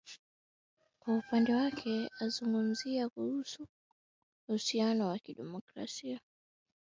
kwa upande wake azungumzia uhusiano wa kidiplomasia